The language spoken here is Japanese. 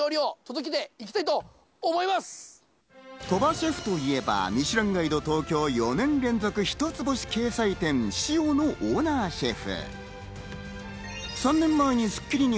鳥羽シェフといえばミシュランガイド東京４年連続一ツ星掲載店、ｓｉｏのオーナーシェフ。